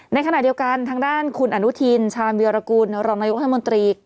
ในขณะเดียวกันทางด้านคุณอนุทินชาญวิรากูลรองนายกรัฐมนตรี